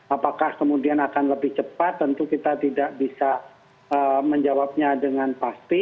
apakah kemudian akan lebih cepat tentu kita tidak bisa menjawabnya dengan pasti